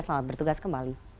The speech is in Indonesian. selamat bertugas kembali